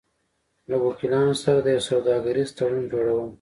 -له وکیلانو سره د یو سوداګریز تړون جوړو ل